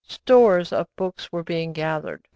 Stores of books were being gathered.